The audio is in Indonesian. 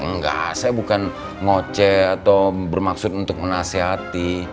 enggak saya bukan ngoceh atau bermaksud untuk menasehati